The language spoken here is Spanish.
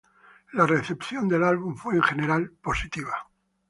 La recepción del álbum fue en general positiva.